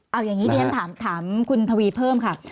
เอาอย่างนี้เดี๋ยวฉันถามคุณทวีเพิ่มค่ะ